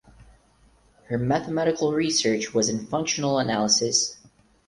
Her mathematical research was in functional analysis.